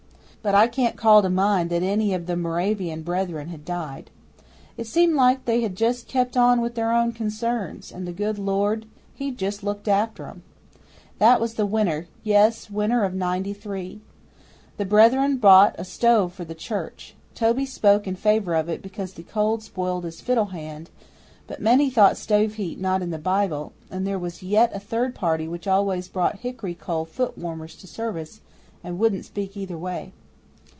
But I can't call to mind that any of the Moravian Brethren had died. It seemed like they had just kept on with their own concerns, and the good Lord He'd just looked after 'em. That was the winter yes, winter of 'Ninety three the Brethren bought a stove for the church. Toby spoke in favour of it because the cold spoiled his fiddle hand, but many thought stove heat not in the Bible, and there was yet a third party which always brought hickory coal foot warmers to service and wouldn't speak either way.